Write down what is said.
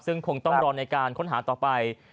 ซึ่งคงต้องรอในการค้นหาต่อไป